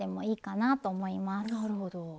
なるほど。